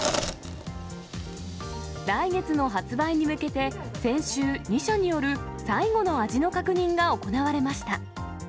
来月の発売に向けて、先週、２社による最後の味の確認が行われました。